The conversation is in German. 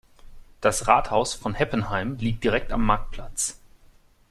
Das Rathaus von Heppenheim liegt direkt am Marktplatz.